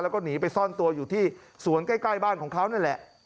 แล้วก็หนีไปซ่อนตัวอยู่ที่สวนใกล้บ้านของเขานั่นแหละ